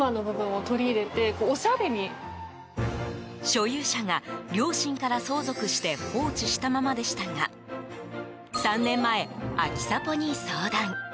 所有者が、両親から相続して放置したままでしたが３年前、アキサポに相談。